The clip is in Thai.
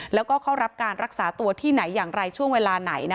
แล้วก็เข้ารับการรักษาตัวที่ไหนอย่างไรช่วงเวลาไหน